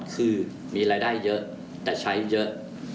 คือมีรายได้เยอะแต่ใช้เยอะ